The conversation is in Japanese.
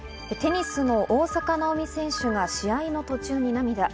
テニスの大坂なおみ選手が試合の途中に涙。